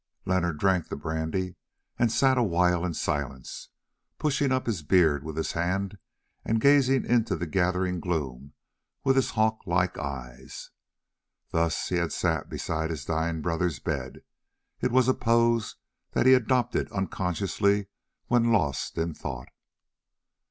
Leonard drank the brandy and sat awhile in silence, pushing up his beard with his hand and gazing into the gathering gloom with his hawk like eyes. Thus he had sat beside his dying brother's bed; it was a pose that he adopted unconsciously when lost in thought.